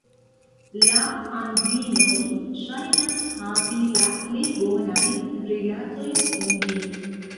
La Anglinoj ŝajnas havi la plej bonajn rilatojn kun vi.